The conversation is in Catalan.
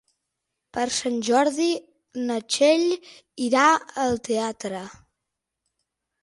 Per Sant Jordi na Txell irà al teatre.